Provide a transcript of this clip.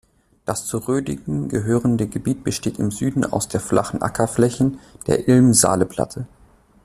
Das zu Rödigen gehörende Gebiet besteht im Süden aus den flachen Ackerflächen der Ilm-Saale-Platte.